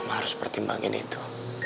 mama harus pertimbangin itu